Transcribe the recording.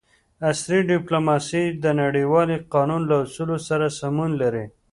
عصري ډیپلوماسي د نړیوال قانون له اصولو سره سمون لري